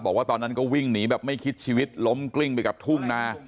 บอกว่าตอนนั้นก็วิ่งหนีแบบไม่คิดชีวิตล้มกลิ้งไปกับทุ่งนา